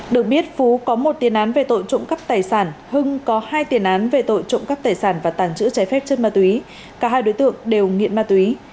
được biết phú có một tiền án về tội trộm cắp tài sản hưng có hai tiền án về tội trộm cắp tài sản và tàng trữ trái phép chất ma túy cả hai đối tượng đều nghiện ma túy